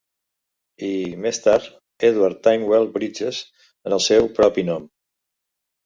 I, més tard, Edward Tymewell Brydges en el seu propi nom.